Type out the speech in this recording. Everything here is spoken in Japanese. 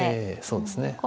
ええそうですね。